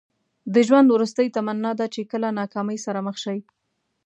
د ژوند وروستۍ تمنا ده چې کله ناکامۍ سره مخ شئ.